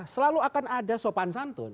selalu akan ada sopan santun